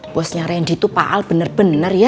bosnya randy tuh pak al bener bener ya